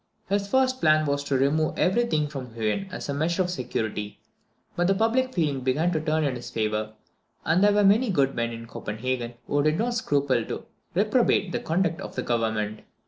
His first plan was to remove every thing from Huen as a measure of security; but the public feeling began to turn in his favour, and there were many good men in Copenhagen who did not scruple to reprobate the conduct of the government.